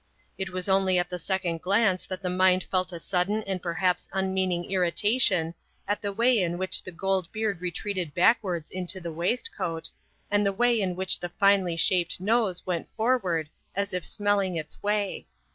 It was only at the second glance that the mind felt a sudden and perhaps unmeaning irritation at the way in which the gold beard retreated backwards into the waistcoat, and the way in which the finely shaped nose went forward as if smelling its way.